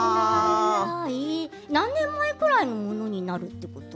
何年前くらいのものになるってこと？